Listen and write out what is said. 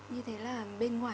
như thế là bên ngoài